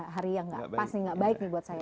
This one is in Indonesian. hari yang pasti gak baik nih buat saya